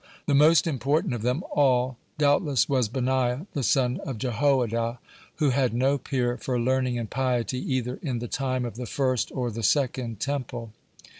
The most important of them all doubtless was Benaiah the son of Jehoiada, who had no peer for learning and piety either in the time of the first or the second Temple.